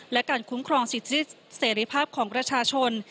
และการคุ้มครองสิทธิเสรีภาพของประชาชน